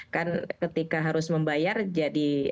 kan ketika harus membayar jadi